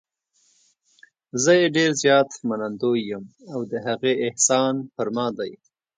زه یې ډېر زیات منندوی یم او د هغې احسان پر ما دی.